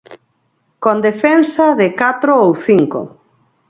Con defensa de catro ou cinco.